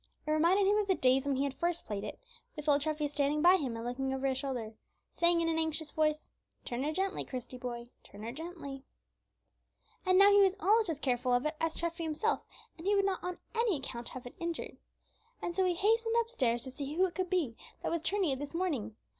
It reminded him of the days when he had first played it, with old Treffy standing by him and looking over his shoulder, saying in an anxious voice, "Turn her gently, Christie, boy; turn her gently." And now he was almost as careful of it as Treffy himself, and he would not on any account have it injured. And so he hastened upstairs to see who it could be that was turning it this morning.